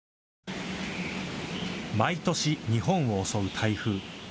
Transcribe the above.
毎年、日本を襲う台風。